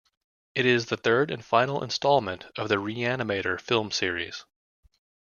It is the third and final installment of the "Re-Animator" film series.